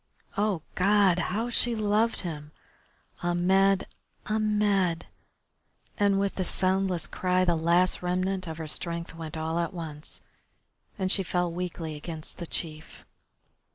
Oh, God! How she loved him! Ahmed! Ahmed! And with the soundless cry the last remnant of her strength went all at once, and she fell weakly against the chief.